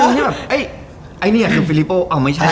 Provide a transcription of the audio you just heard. ไอ้เนี่ยนี่ก็เป็นฟิลิโบอ้าวไม่ใช่